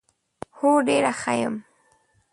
هو ډېره ښه یم .